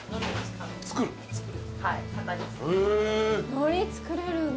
海苔作れるんだ。